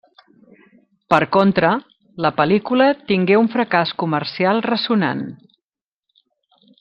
Per contra, la pel·lícula tingué un fracàs comercial ressonant.